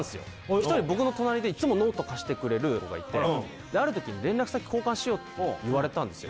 １人僕の隣でいつもノート貸してくれる子がいてある時に「連絡先交換しよう」って言われたんですよ